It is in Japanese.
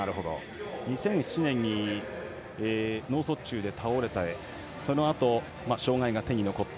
２００７年に脳卒中で倒れてそのあと、障がいが手に残った。